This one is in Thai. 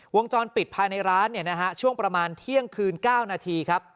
วงจรปิดภายในร้านช่วงประมาณเที่ยงคืน๙นาทีครับ